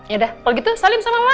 yaudah kalau gitu salim sama mama